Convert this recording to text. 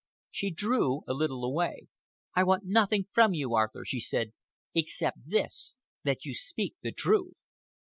She drew a little away. "I want nothing from you, Arthur," she said, "except this—that you speak the truth."